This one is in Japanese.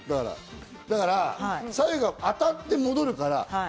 だから、当たって戻るから。